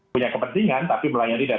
punya kepentingan tapi melayani dan